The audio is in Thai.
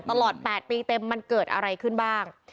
ตลอด๘ปีเต็มมันเกิดอะไรขึ้นบ้าง